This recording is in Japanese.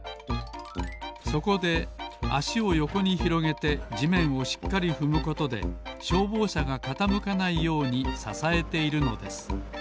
そこであしをよこにひろげてじめんをしっかりふむことでしょうぼうしゃがかたむかないようにささえているのです。